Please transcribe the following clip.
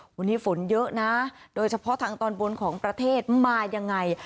วันนี้ฝนเยอะนะโดยเฉพาะทางตอนบนของประเทศมายังไง